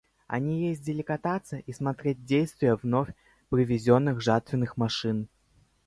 Они ездили кататься и смотреть действие вновь привезенных жатвенных машин.